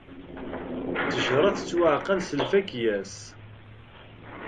Ttejṛa tettwaɛqal s lfakya-s.